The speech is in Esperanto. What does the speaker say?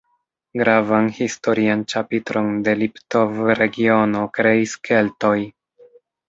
Gravan historian ĉapitron de Liptov-regiono kreis Keltoj.